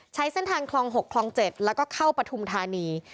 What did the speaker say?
ใช้เส้นทางคลอง๖คลอง๗แล้วก็เข้าปฐุมธานี